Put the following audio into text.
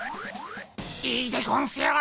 いいでゴンスよ！